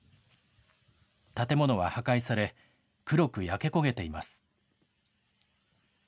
建物は破壊され、黒く焼け焦げています。